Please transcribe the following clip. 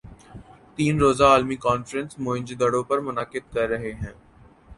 تین روزہ عالمی کانفرنس موئن جو دڑو پر منعقد کررہے ہیں